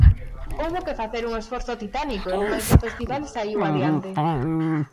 Houbo que facer un esforzo titánico, mais o festival saíu adiante.